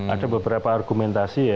ada beberapa argumentasi ya